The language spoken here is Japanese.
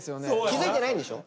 気付いてないんでしょ？